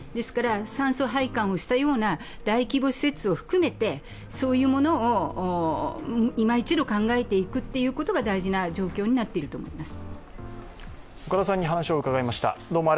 酸素配管をしたような大規模施設を含めてそういうものを、いま一度考えていくことが大事な状況になっていると思います。